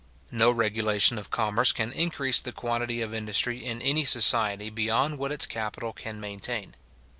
No regulation of commerce can increase the quantity of industry in any society beyond what its capital can maintain.